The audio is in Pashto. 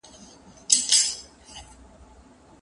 خلیفه باید د خپلو خلګو خیال وساتي.